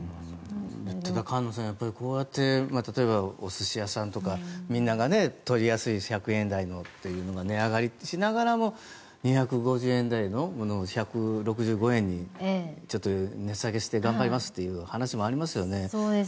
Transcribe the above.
菅野さん、こうやって例えば、お寿司屋さんとかみんなが取りやすい１００円台というのが値上がりしながらも２５０円台のものを１６５円に値下げして頑張りますという話もありますよね。